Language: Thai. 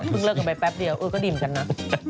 เพิ่งเลิกกันไปแป๊บเดียวก็ดินกันนะ